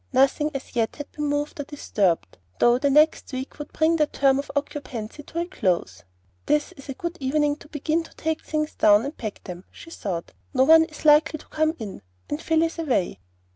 Nothing as yet had been moved or disturbed, though the next week would bring their term of occupancy to a close. "This is a good evening to begin to take things down and pack them," she thought. "No one is likely to come in, and Phil is away."